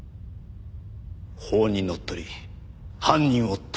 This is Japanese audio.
法にのっとり犯人を逮捕する。